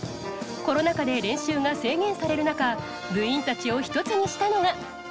コロナ禍で練習が制限される中部員たちを一つにしたのが。